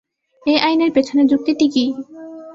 এই আইনের পেছনের যুক্তিটি কি?